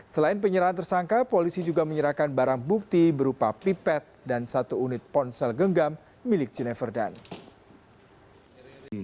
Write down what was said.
selain penyerahan tersangka polisi juga menyerahkan barang bukti berupa pipet dan satu unit ponsel genggam milik jennifer dunn